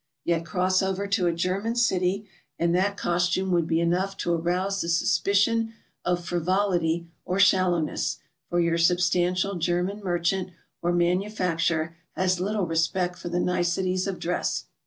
Yet cross over to a German city and that costume would be enough to arouse the suspicion of frivolity or shallowness, for your substantial German merchant or manufacturer has little respect for the niceties of dress.